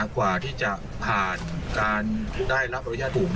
กว่าที่จะผ่านการได้รับอนุญาตถูก